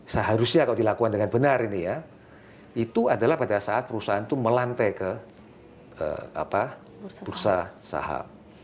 seharusnya kalau dilakukan dengan benar ini ya itu adalah pada saat perusahaan itu melantai ke bursa saham